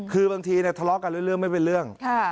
คือบางทีทะเลาะกันเรื่อยไม่เป็นเรื่อง